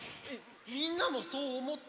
みんなもそうおもった？